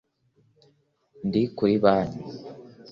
ndi kuri banki